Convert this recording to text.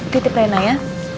titip rena ya